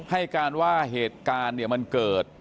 ให้รู้ว่าเหตุการณ์มันเกิด